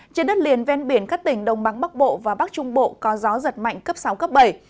trên đất liền ven biển các tỉnh đông bắc bộ và bắc trung bộ có gió giật mạnh cấp sáu cấp bảy